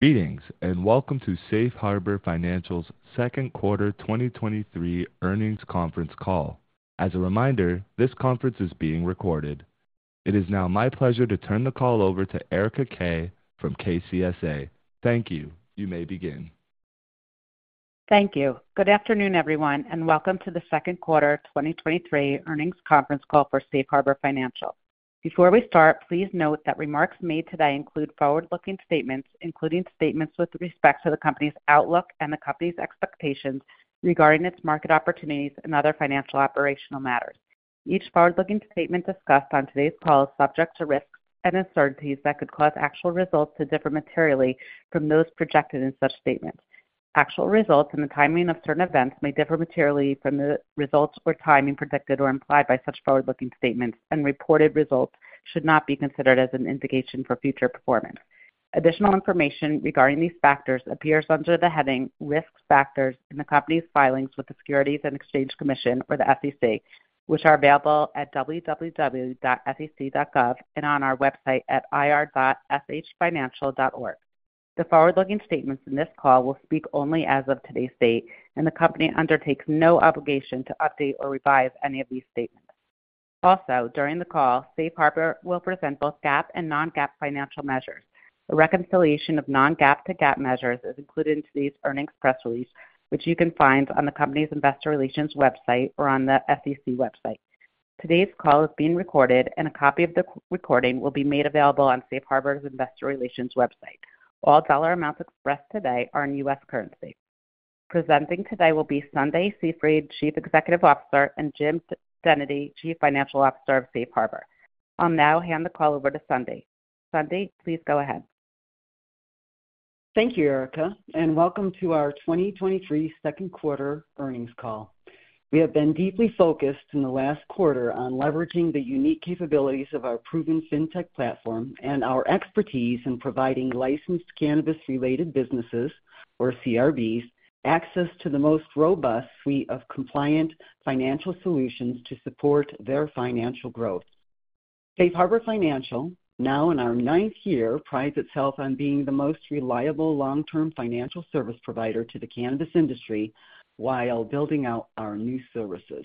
Greetings, welcome to Safe Harbor Financial's 2nd Quarter 2023 Earnings Conference Call. As a reminder, this conference is being recorded. It is now my pleasure to turn the call over to Erika Kay from KCSA. Thank you. You may begin. Thank you. Good afternoon, everyone, and welcome to the Second Quarter 2023 Earnings Conference Call for Safe Harbor Financial. Before we start, please note that remarks made today include forward-looking statements, including statements with respect to the company's outlook and the company's expectations regarding its market opportunities and other financial operational matters. Each forward-looking statement discussed on today's call is subject to risks and uncertainties that could cause actual results to differ materially from those projected in such statements. Actual results and the timing of certain events may differ materially from the results or timing predicted or implied by such forward-looking statements, and reported results should not be considered as an indication for future performance. Additional information regarding these factors appears under the heading Risk Factors in the company's filings with the Securities and Exchange Commission, or the SEC, which are available at www.sec.gov and on our website at ir.shfinancial.org. The forward-looking statements in this call will speak only as of today's date, and the company undertakes no obligation to update or revise any of these statements. Also, during the call, Safe Harbor will present both GAAP and non-GAAP financial measures. A reconciliation of non-GAAP to GAAP measures is included in today's earnings press release, which you can find on the company's investor relations website or on the SEC website. Today's call is being recorded, and a copy of the recording will be made available on Safe Harbor's investor relations website. All dollar amounts expressed today are in U.S. currency. Presenting today will be Sundie Seefried, Chief Executive Officer, and Jim Dennedy, Chief Financial Officer of Safe Harbor. I'll now hand the call over to Sundie. Sundie, please go ahead. Thank you, Erika, and welcome to our 2023 second quarter earnings call. We have been deeply focused in the last quarter on leveraging the unique capabilities of our proven fintech platform and our expertise in providing licensed cannabis-related businesses, or CRBs, access to the most robust suite of compliant financial solutions to support their financial growth. Safe Harbor Financial, now in our ninth year, prides itself on being the most reliable long-term financial service provider to the cannabis industry while building out our new services.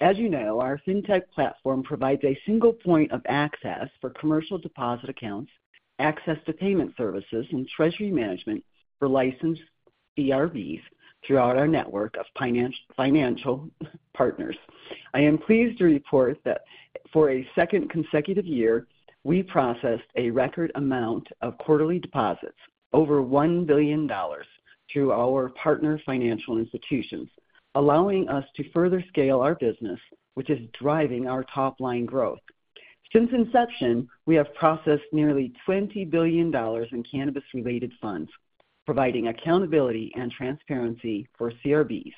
As you know, our fintech platform provides a single point of access for commercial deposit accounts, access to payment services, and treasury management for licensed CRBs throughout our network of financial partners. I am pleased to report that for a second consecutive year, we processed a record amount of quarterly deposits, over $1 billion, through our partner financial institutions, allowing us to further scale our business, which is driving our top-line growth. Since inception, we have processed nearly $20 billion in cannabis-related funds, providing accountability and transparency for CRBs.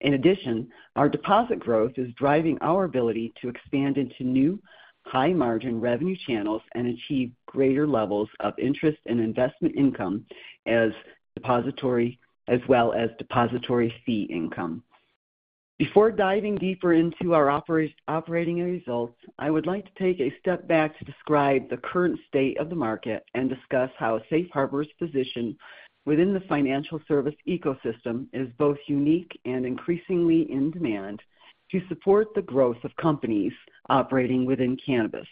In addition, our deposit growth is driving our ability to expand into new high-margin revenue channels and achieve greater levels of interest and investment income as well as depository fee income. Before diving deeper into our operating results, I would like to take a step back to describe the current state of the market and discuss how Safe Harbor's position within the financial service ecosystem is both unique and increasingly in demand to support the growth of companies operating within cannabis.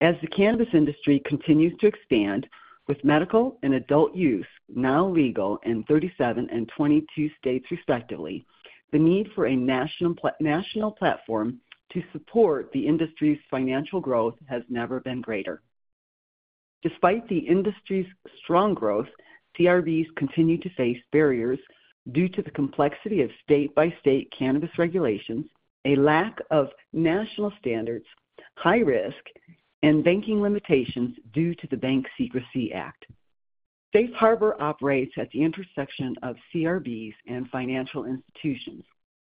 As the cannabis industry continues to expand, with medical and adult use now legal in 37 and 22 states, respectively, the need for a national platform to support the industry's financial growth has never been greater. Despite the industry's strong growth, CRBs continue to face barriers due to the complexity of state-by-state cannabis regulations, a lack of national standards, high risk, and banking limitations due to the Bank Secrecy Act. Safe Harbor operates at the intersection of CRBs and financial institutions,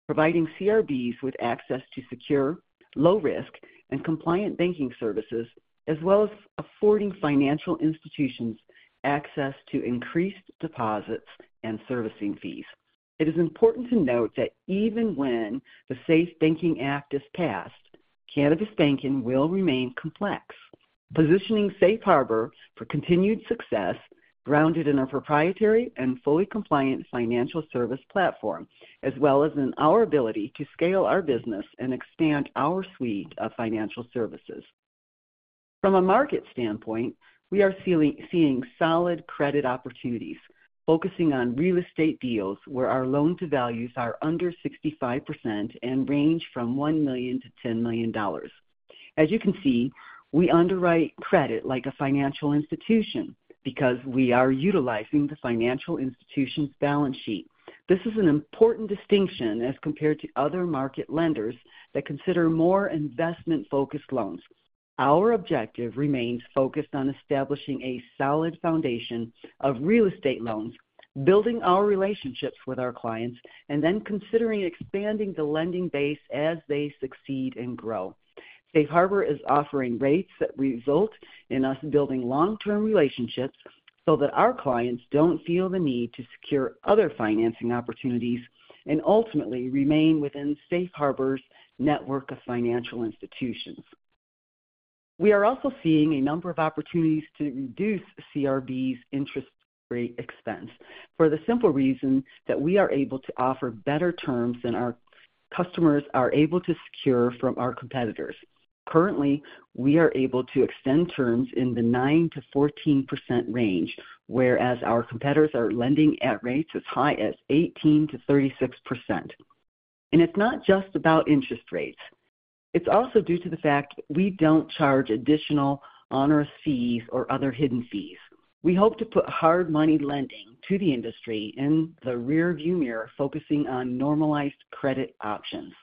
providing CRBs with access to secure, low-risk, and compliant banking services, as well as affording financial institutions access to increased deposits and servicing fees. It is important to note that even when the SAFE Banking Act is passed, cannabis banking will remain complex, positioning Safe Harbor for continued success, grounded in our proprietary and fully compliant financial service platform, as well as in our ability to scale our business and expand our suite of financial services. From a market standpoint, we are seeing solid credit opportunities, focusing on real estate deals where our loan to values are under 65% and range from $1 million-$10 million. As you can see, we underwrite credit like a financial institution because we are utilizing the financial institution's balance sheet. This is an important distinction as compared to other market lenders that consider more investment-focused loans. Our objective remains focused on establishing a solid foundation of real estate loans, building our relationships with our clients, and then considering expanding the lending base as they succeed and grow. Safe Harbor is offering rates that result in us building long-term relationships so that our clients don't feel the need to secure other financing opportunities and ultimately remain within Safe Harbor's network of financial institutions. We are also seeing a number of opportunities to reduce CRBs interest rate expense, for the simple reason that we are able to offer better terms than our customers are able to secure from our competitors. Currently, we are able to extend terms in the 9%-14% range, whereas our competitors are lending at rates as high as 18%-36%. It's not just about interest rates. It's also due to the fact we don't charge additional onerous fees or other hidden fees. We hope to put hard money lending to the industry in the rearview mirror, focusing on normalized credit options.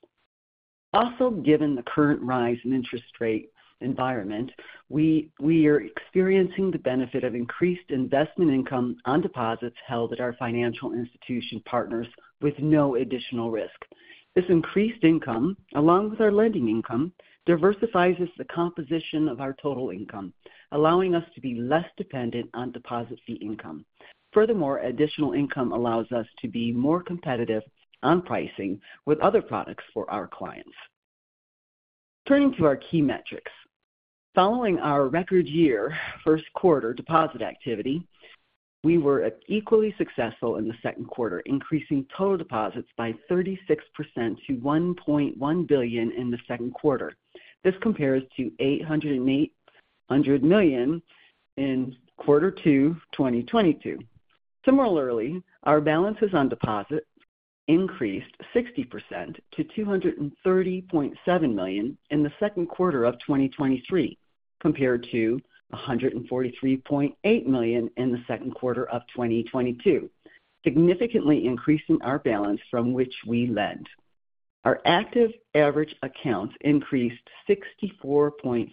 Also, given the current rise in interest rate environment, we are experiencing the benefit of increased investment income on deposits held at our financial institution partners with no additional risk. This increased income, along with our lending income, diversifies the composition of our total income, allowing us to be less dependent on deposit fee income. Furthermore, additional income allows us to be more competitive on pricing with other products for our clients. Turning to our key metrics. Following our record year, first quarter deposit activity, we were equally successful in the second quarter, increasing total deposits by 36% to $1.1 billion in the second quarter. This compares to $800 million in quarter two, 2022. Similarly, our balances on deposits increased 60% to $230.7 million in the second quarter of 2023, compared to $143.8 million in the second quarter of 2022, significantly increasing our balance from which we lend. Our active average accounts increased 64.5%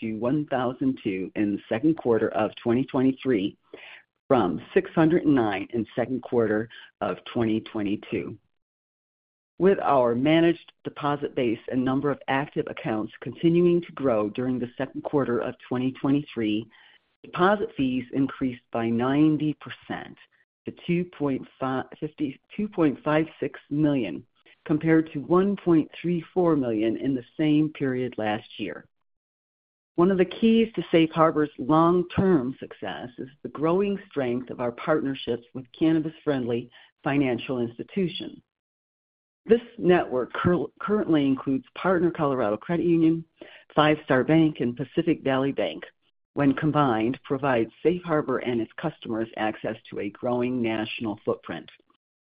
to 1,002 in the second quarter of 2023, from 609 in second quarter of 2022. With our managed deposit base and number of active accounts continuing to grow during the second quarter of 2023, deposit fees increased by 90% to $52.56 million, compared to $1.34 million in the same period last year. One of the keys to Safe Harbor's long-term success is the growing strength of our partnerships with cannabis-friendly financial institutions. This network currently includes Partner Colorado Credit Union, Five Star Bank, and Pacific Valley Bank. When combined, provides Safe Harbor and its customers access to a growing national footprint.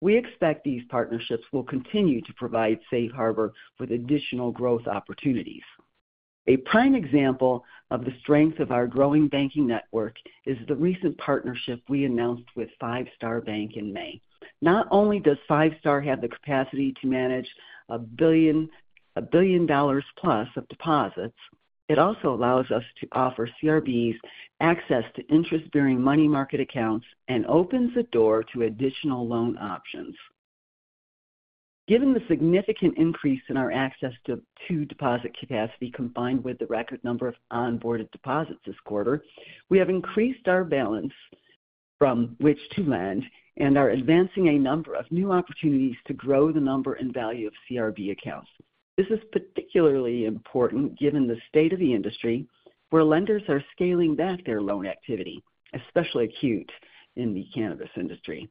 We expect these partnerships will continue to provide Safe Harbor with additional growth opportunities. A prime example of the strength of our growing banking network is the recent partnership we announced with Five Star Bank in May. Not only does Five Star have the capacity to manage $1 billion+ of deposits, it also allows us to offer CRBs access to interest-bearing money market accounts and opens the door to additional loan options. Given the significant increase in our access to deposit capacity, combined with the record number of onboarded deposits this quarter, we have increased our balance from which to lend and are advancing a number of new opportunities to grow the number and value of CRB accounts. This is particularly important given the state of the industry, where lenders are scaling back their loan activity, especially acute in the cannabis industry.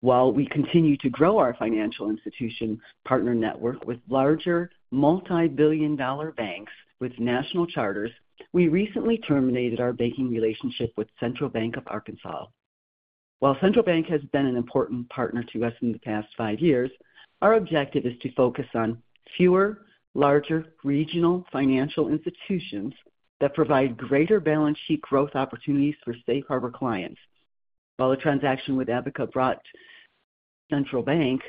While we continue to grow our financial institution partner network with larger, multi-billion dollar banks with national charters, we recently terminated our banking relationship with Central Bank of Arkansas. While Central Bank has been an important partner to us in the past five years, our objective is to focus on fewer, larger regional financial institutions that provide greater balance sheet growth opportunities for Safe Harbor clients. While the transaction with Abaca brought Central Bank,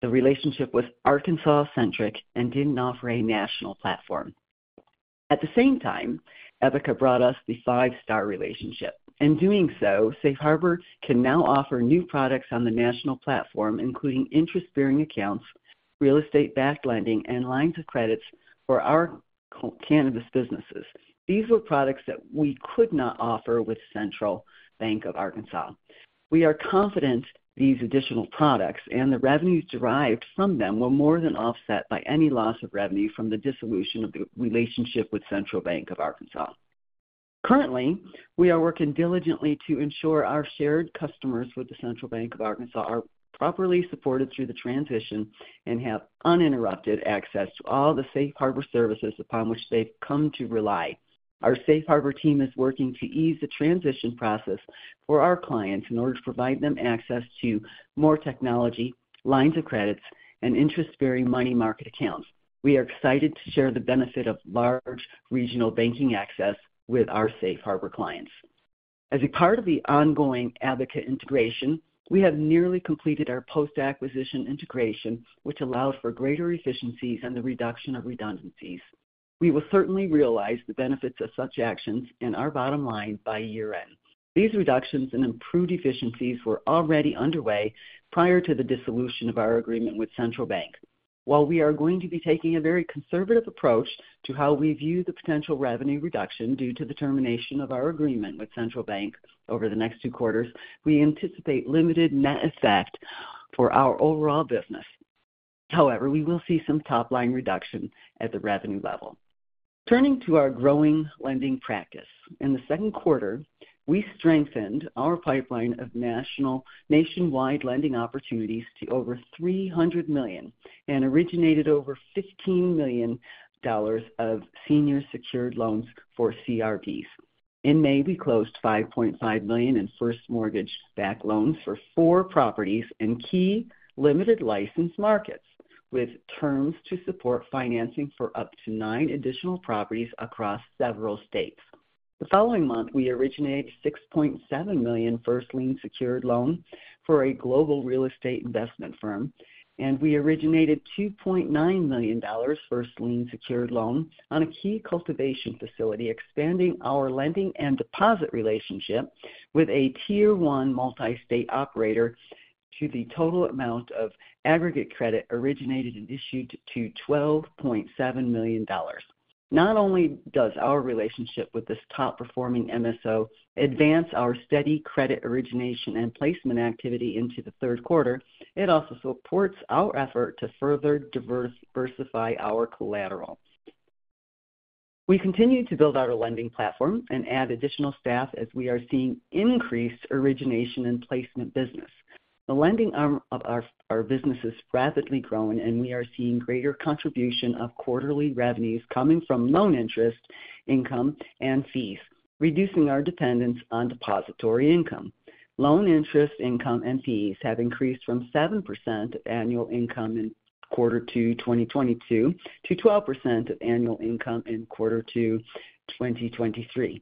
the relationship was Arkansas-centric and didn't offer a national platform. At the same time, Abaca brought us the Five Star relationship. In doing so, Safe Harbor can now offer new products on the national platform, including interest-bearing accounts, real estate-backed lending, and lines of credits for our cannabis businesses. These were products that we could not offer with Central Bank of Arkansas. We are confident these additional products and the revenues derived from them, will more than offset by any loss of revenue from the dissolution of the relationship with Central Bank of Arkansas. Currently, we are working diligently to ensure our shared customers with the Central Bank of Arkansas are properly supported through the transition and have uninterrupted access to all the Safe Harbor services upon which they've come to rely. Our Safe Harbor team is working to ease the transition process for our clients in order to provide them access to more technology, lines of credits, and interest-bearing money market accounts. We are excited to share the benefit of large regional banking access with our Safe Harbor clients. As a part of the ongoing Abaca integration, we have nearly completed our post-acquisition integration, which allows for greater efficiencies and the reduction of redundancies. We will certainly realize the benefits of such actions in our bottom line by year-end. These reductions and improved efficiencies were already underway prior to the dissolution of our agreement with Central Bank. While we are going to be taking a very conservative approach to how we view the potential revenue reduction due to the termination of our agreement with Central Bank over the next two quarters, we anticipate limited net effect for our overall business. However, we will see some top-line reduction at the revenue level. Turning to our growing lending practice. In the second quarter, we strengthened our pipeline of nationwide lending opportunities to over $300 million and originated over $15 million of senior secured loans for CRBs. In May, we closed $5.5 million in first mortgage-backed loans for four properties in key limited license markets, with terms to support financing for up to nine additional properties across several states. The following month, we originated $6.7 million first lien secured loan for a global real estate investment firm, and we originated $2.9 million first lien secured loan on a key cultivation facility, expanding our lending and deposit relationship with a tier one multi-state operator to the total amount of aggregate credit originated and issued to $12.7 million. Not only does our relationship with this top-performing MSO advance our steady credit origination and placement activity into the third quarter, it also supports our effort to further diversify our collateral. We continue to build out our lending platform and add additional staff as we are seeing increased origination and placement business. The lending arm of our business is rapidly growing, and we are seeing greater contribution of quarterly revenues coming from loan interest, income, and fees, reducing our dependence on depository income. Loan interest, income, and fees have increased from 7% annual income in quarter two 2022 to 12% of annual income in quarter two 2023.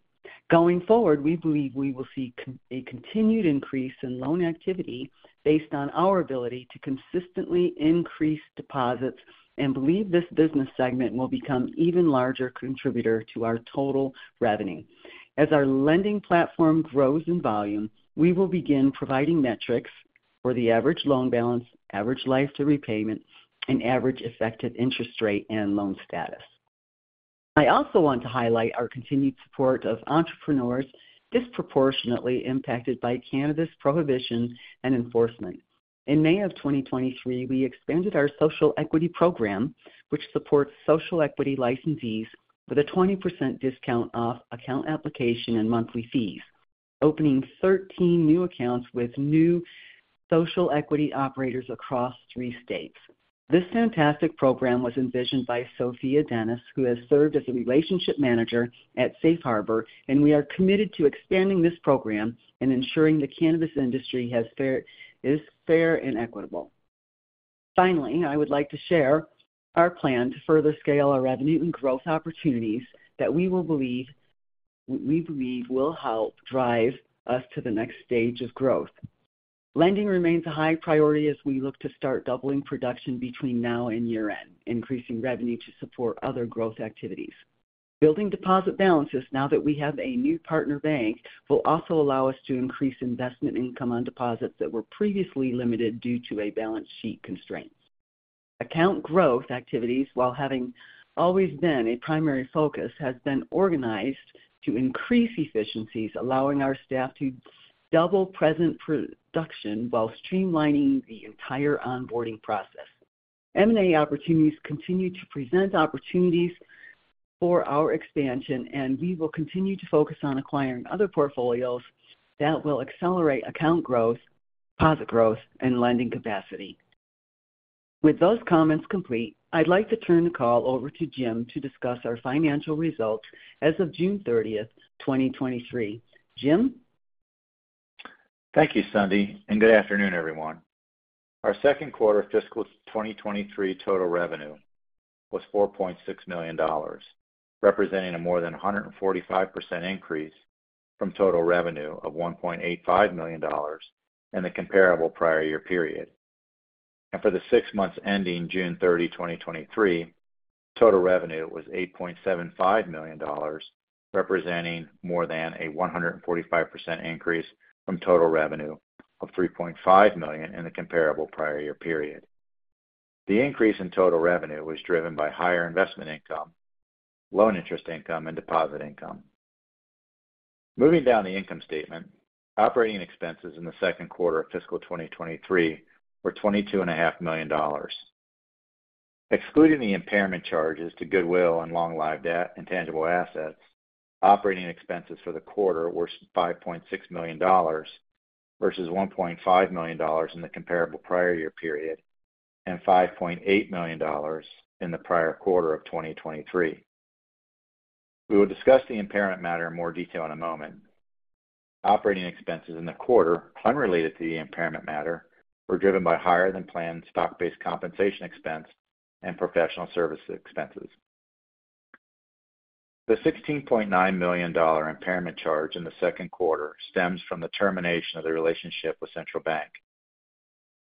Going forward, we believe we will see a continued increase in loan activity based on our ability to consistently increase deposits and believe this business segment will become even larger contributor to our total revenue. As our lending platform grows in volume, we will begin providing metrics for the average loan balance, average life to repayment, and average effective interest rate and loan status. I also want to highlight our continued support of entrepreneurs disproportionately impacted by cannabis prohibition and enforcement. In May of 2023, we expanded our social equity program, which supports social equity licensees with a 20% discount off account application and monthly fees, opening 13 new accounts with new social equity operators across three states. This fantastic program was envisioned by Sophia Dennis, who has served as a relationship manager at Safe Harbor, and we are committed to expanding this program and ensuring the cannabis industry is fair and equitable. Finally, I would like to share our plan to further scale our revenue and growth opportunities that we believe will help drive us to the next stage of growth. Lending remains a high priority as we look to start doubling production between now and year-end, increasing revenue to support other growth activities. Building deposit balances now that we have a new partner bank, will also allow us to increase investment income on deposits that were previously limited due to a balance sheet constraint. Account growth activities, while having always been a primary focus, has been organized to increase efficiencies, allowing our staff to double present production while streamlining the entire onboarding process. M&A opportunities continue to present opportunities for our expansion, and we will continue to focus on acquiring other portfolios that will accelerate account growth, deposit growth, and lending capacity. With those comments complete, I'd like to turn the call over to Jim to discuss our financial results as of June 30th, 2023. Jim? Thank you, Sundie. Good afternoon, everyone. Our second quarter of fiscal 2023 total revenue was $4.6 million, representing a more than 145% increase from total revenue of $1.85 million in the comparable prior year period. For the six months ending June 30, 2023, total revenue was $8.75 million, representing more than a 145% increase from total revenue of $3.5 million in the comparable prior year period. The increase in total revenue was driven by higher investment income, loan interest income, and deposit income. Moving down the income statement. Operating expenses in the second quarter of fiscal 2023 were $22.5 million. Excluding the impairment charges to goodwill and long-lived and intangible assets, operating expenses for the quarter were $5.6 million, versus $1.5 million in the comparable prior year period, and $5.8 million in the prior quarter of 2023. We will discuss the impairment matter in more detail in a moment. Operating expenses in the quarter, unrelated to the impairment matter, were driven by higher-than-planned stock-based compensation expense and professional service expenses. The $16.9 million impairment charge in the second quarter stems from the termination of the relationship with Central Bank.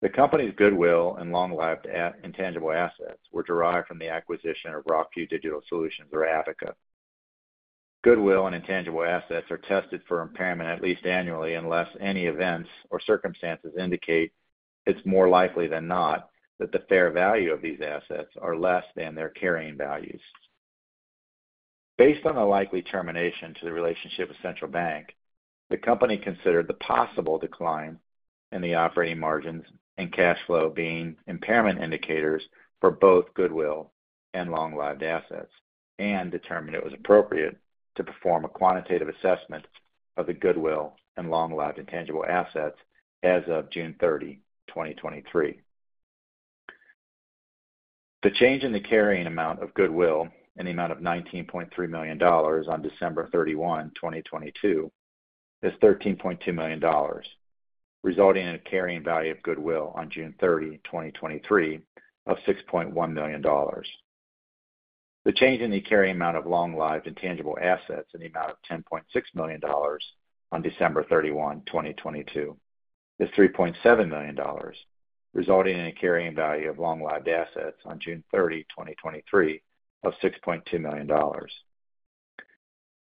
The company's goodwill and long-lived intangible assets were derived from the acquisition of Rockview Digital Solutions or Abaca. Goodwill and intangible assets are tested for impairment at least annually, unless any events or circumstances indicate it's more likely than not, that the fair value of these assets are less than their carrying values. Based on the likely termination to the relationship with Central Bank, the company considered the possible decline in the operating margins and cash flow being impairment indicators for both goodwill and long-lived assets, and determined it was appropriate to perform a quantitative assessment of the goodwill and long-lived intangible assets as of June 30, 2023. The change in the carrying amount of goodwill in the amount of $19.3 million on December 31, 2022, is $13.2 million, resulting in a carrying value of goodwill on June 30, 2023, of $6.1 million. The change in the carrying amount of long-lived intangible assets in the amount of $10.6 million on December 31, 2022, is $3.7 million, resulting in a carrying value of long-lived assets on June 30, 2023, of $6.2 million.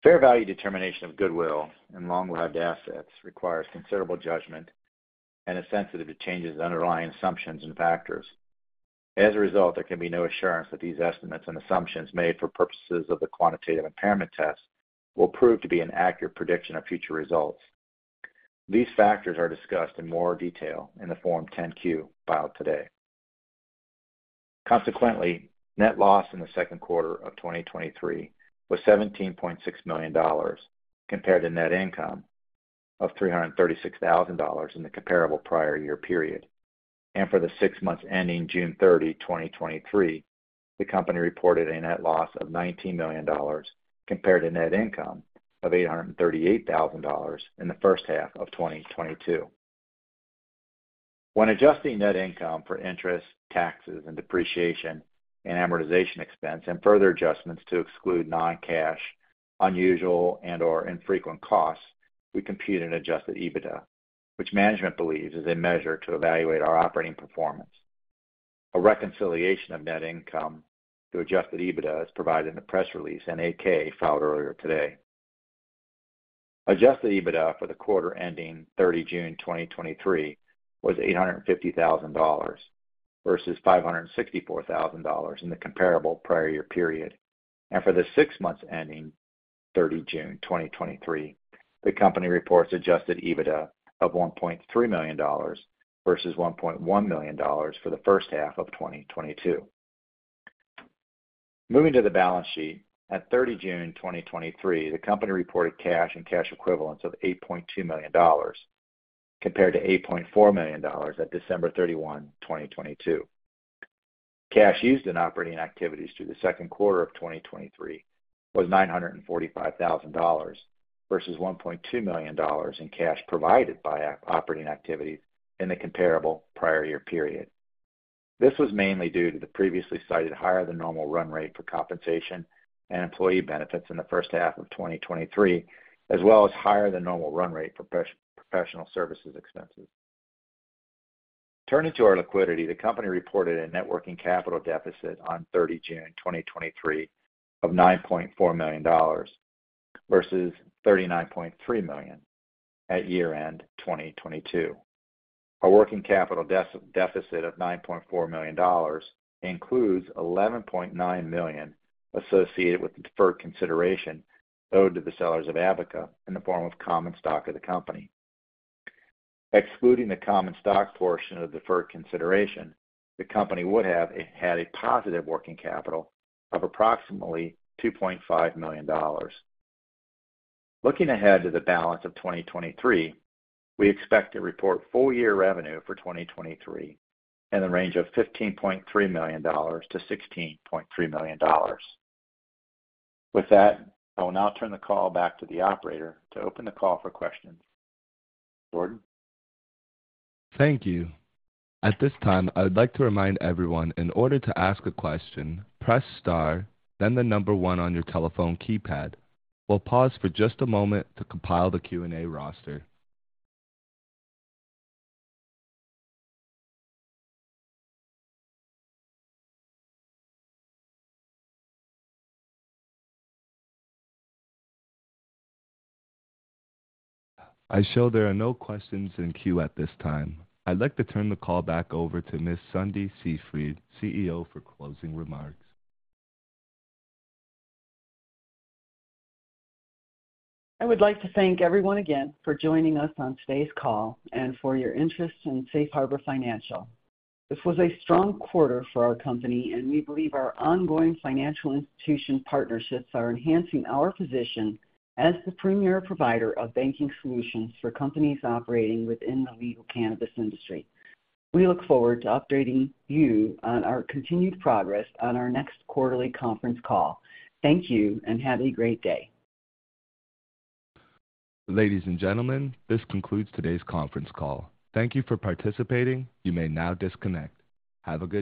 Fair value determination of goodwill and long-lived assets requires considerable judgment and is sensitive to changes in underlying assumptions and factors. As a result, there can be no assurance that these estimates and assumptions made for purposes of the quantitative impairment test will prove to be an accurate prediction of future results. These factors are discussed in more detail in the Form 10-Q filed today. Consequently, net loss in the second quarter of 2023 was $17.6 million, compared to net income of $336,000 in the comparable prior year period. For the six months ending June 30, 2023, the company reported a net loss of $19 million, compared to net income of $838,000 in the first half of 2022. When adjusting net income for interest, taxes, and depreciation and amortization expense, and further adjustments to exclude non-cash, unusual and/or infrequent costs, we compute an Adjusted EBITDA, which management believes is a measure to evaluate our operating performance. A reconciliation of net income to Adjusted EBITDA is provided in the press release and 8-K filed earlier today. Adjusted EBITDA for the quarter ending June 30, 2023, was $850,000 versus $564,000 in the comparable prior year period. For the six months ending June 30, 2023, the company reports Adjusted EBITDA of $1.3 million versus $1.1 million for the first half of 2022. Moving to the balance sheet, at June 30, 2023, the company reported cash and cash equivalents of $8.2 million, compared to $8.4 million at December 31, 2022. Cash used in operating activities through the second quarter of 2023 was $945,000 versus $1.2 million in cash provided by operating activities in the comparable prior year period. This was mainly due to the previously cited higher than normal run rate for compensation and employee benefits in the first half of 2023, as well as higher than normal run rate for professional services expenses. Turning to our liquidity, the company reported a net working capital deficit on June 30, 2023, of $9.4 million versus $39.3 million at year-end 2022. Our working capital deficit of $9.4 million includes $11.9 million associated with the deferred consideration owed to the sellers of Abaca in the form of common stock of the company. Excluding the common stock portion of the deferred consideration, the company would have had a positive working capital of approximately $2.5 million. Looking ahead to the balance of 2023, we expect to report full year revenue for 2023 in the range of $15.3 million-$16.3 million. With that, I will now turn the call back to the operator to open the call for questions. Jordan? Thank you. At this time, I would like to remind everyone, in order to ask a question, press star, then the number one on your telephone keypad. We'll pause for just a moment to compile the Q&A roster. I show there are no questions in queue at this time. I'd like to turn the call back over to Ms. Sundie Seefried, CEO, for closing remarks. I would like to thank everyone again for joining us on today's call and for your interest in Safe Harbor Financial. This was a strong quarter for our company, and we believe our ongoing financial institution partnerships are enhancing our position as the premier provider of banking solutions for companies operating within the legal cannabis industry. We look forward to updating you on our continued progress on our next quarterly conference call. Thank you, and have a great day. Ladies and gentlemen, this concludes today's conference call. Thank you for participating. You may now disconnect. Have a good day.